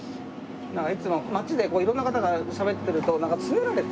なんかいつも街で色んな方がしゃべってるとなんかつねられて。